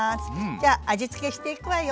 じゃ味付けしていくわよ。